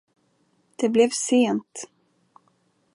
Det blev sent.